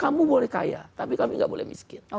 kamu boleh kaya tapi kami nggak boleh miskin